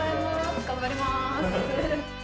頑張ります。